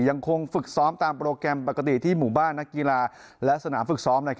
ยังคงฝึกซ้อมตามโปรแกรมปกติที่หมู่บ้านนักกีฬาและสนามฝึกซ้อม